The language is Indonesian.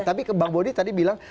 tapi ke bang bodi tadi bilang